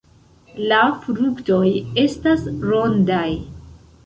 La fruktoj estas rondaj.